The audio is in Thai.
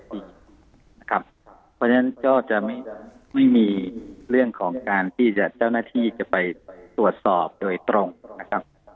เพราะฉะนั้นก็จะไม่มีเรื่องของการที่เจ้าหน้าที่จะไปตรวจสอบโดยตรงนะครับ